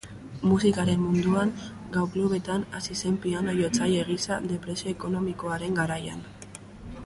Musikaren munduan gau-klubetan hasi zen piano-jotzaile gisa, depresio ekonomikoaren garaian.